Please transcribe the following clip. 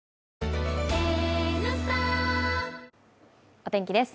お天気です。